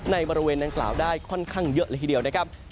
บริเวณดังกล่าวได้ค่อนข้างเยอะเลยทีเดียวนะครับ